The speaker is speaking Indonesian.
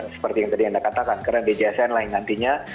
seperti yang tadi anda katakan karena djsn lain nantinya